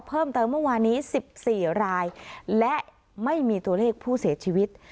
เพิ่มเติมเมื่อวานี้สิบสี่รายและไม่มีตัวเลขผู้เสียชีวิต